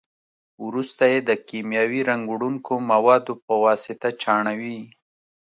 وروسته یې د کیمیاوي رنګ وړونکو موادو په واسطه چاڼوي.